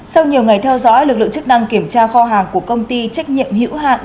sau nhiều ngày theo dõi lực lượng chức năng kiểm tra kho hàng của công ty trách nhiệm hữu hạn